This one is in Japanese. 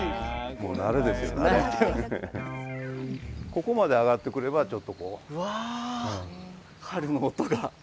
ここまで上がってくればちょっとこう。